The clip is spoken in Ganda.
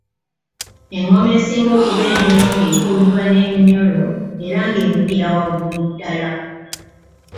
Engoma esinga okuba entono ng’ekubibwa n’eminyolo era ng’evugira waggulu ddala.